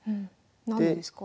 何でですか？